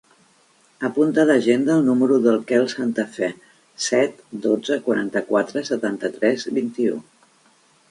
Apunta a l'agenda el número del Quel Santafe: set, dotze, quaranta-quatre, setanta-tres, vint-i-u.